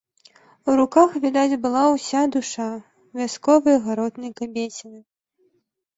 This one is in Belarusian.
У руках відаць была ўся душа вясковай гаротнай кабеціны.